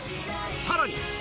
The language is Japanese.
さらに。